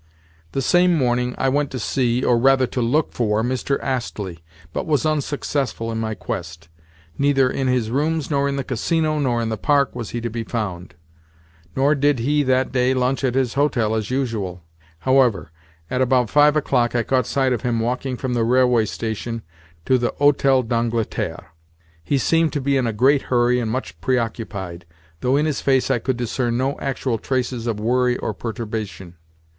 The same morning I went to see—or, rather, to look for—Mr. Astley, but was unsuccessful in my quest. Neither in his rooms nor in the Casino nor in the Park was he to be found; nor did he, that day, lunch at his hotel as usual. However, at about five o'clock I caught sight of him walking from the railway station to the Hôtel d'Angleterre. He seemed to be in a great hurry and much preoccupied, though in his face I could discern no actual traces of worry or perturbation.